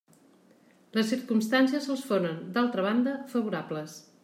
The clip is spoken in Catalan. Les circumstàncies els foren, d'altra banda, favorables.